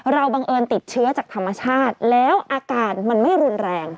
บังเอิญติดเชื้อจากธรรมชาติแล้วอาการมันไม่รุนแรง